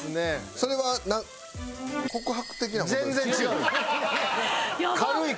それは告白的な事？